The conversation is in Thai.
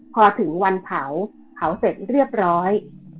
พอถึงวันเผาเผาเสร็จเรียบร้อย